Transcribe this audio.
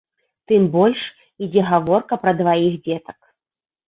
Тым больш, ідзе гаворка пра дваіх дзетак.